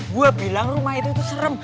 gua bilang rumah itu tuh serem